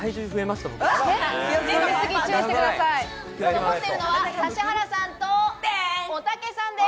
残っているのは指原さんと、おたけさんです。